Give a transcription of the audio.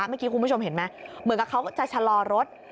เมื่อกี้คุณผู้ชมเห็นไหมเหมือนกับเขาจะชะลอรถ